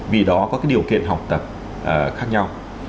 vì đó có điều kiện học tập khác nhau